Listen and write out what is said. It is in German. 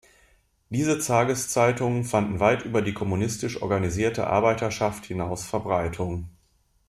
Diese Tageszeitungen fanden weit über die kommunistisch organisierte Arbeiterschaft hinaus Verbreitung.